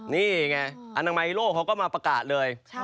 นี่ไงอนามัยโลกเขาก็มาประกาศเลย